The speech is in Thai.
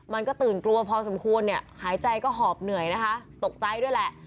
มันก็ตื่นกลัวพอสมควรเนี่ยหายใจก็หอบเหนื่อยนะคะตกใจด้วยแหละ